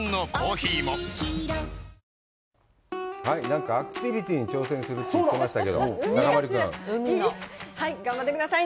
なんかアクティビティに挑戦するって言ってましたけど中丸君！頑張ってください。